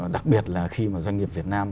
đặc biệt là khi mà doanh nghiệp việt nam